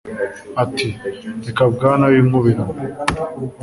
Ati Reka Bwana winkubirana